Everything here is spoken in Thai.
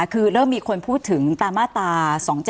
คือเริ่มมีคนพูดถึงตามมาตรา๒๗๒